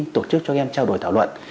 tổ chức cho game trao đổi thảo luận